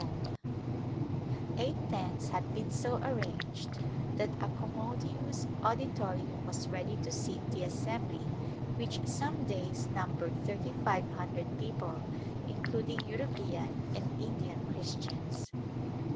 [ 342] Return to India Eight tents had been so arranged that a commodious auditorium was ready to seat the assembly which some days numbered thirty five hundred people including European and Indian Christians.